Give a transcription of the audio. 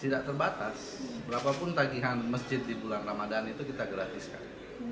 tidak terbatas berapapun tagihan masjid di bulan ramadan itu kita gratiskan